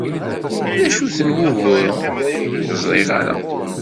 D acu-ten Wuyguren? Ur ẓriɣ ara.